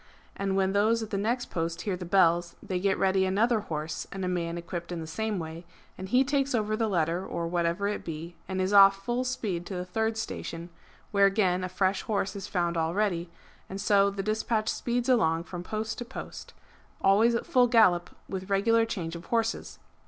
And when those at the next post hear the bells they get ready another horse and a man equipt in the same way, and he takes over the letter or whatever it be, and is off full speed to the third station, where again a fresh horse is found all ready, and so the despatch speeds along from post to post, always at full gallop, with regular change of horses.